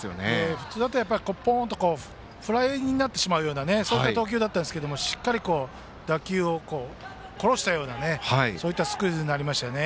普通だとフライになってしまうような投球でしたがしっかりと打球を殺したそういったスクイズになりました。